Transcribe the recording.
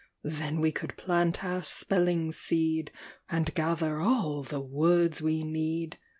Then we could plant our spelling seed, And gather all the words we need.